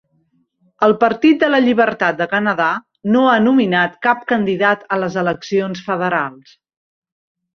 El Partit de la Llibertat de Canadà no ha nominat cap candidat a les eleccions federals.